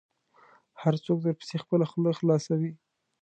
هر څوک درپسې خپله خوله خلاصوي .